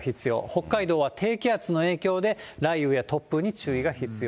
北海道は低気圧の影響で、雷雨や突風に注意が必要。